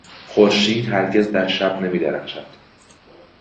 خورشید هرگز در شب نمیدرخشد.